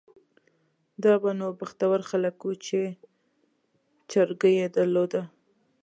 دا به نو بختور خلک وو چې چرګۍ یې درلوده.